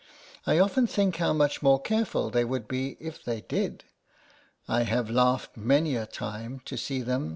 I often think how much more careful they would be if they did. I have laughed many a time to see them 88 LETTERS FROM A CAT.